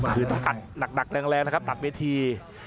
คือต้องอัดหนักแรงนะครับตัดเวที